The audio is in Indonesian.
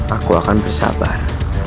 aku akan bersabar